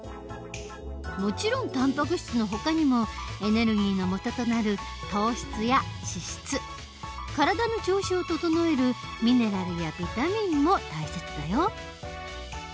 もちろんたんぱく質のほかにもエネルギーのもととなる糖質や脂質体の調子を整えるミネラルやビタミンも大切だよ。